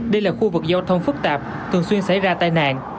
đây là khu vực giao thông phức tạp thường xuyên xảy ra tai nạn